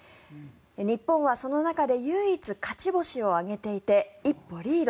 日本はその中で唯一、勝ち星を挙げていて一歩リード。